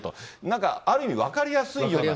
なんかある意味分かりやすいような。